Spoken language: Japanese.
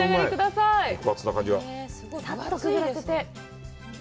さっとくぐらせて。